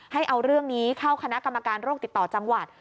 ให้เอาเรื่องนี้เข้าคณะกรรมการโรคติดต่อจังหวัด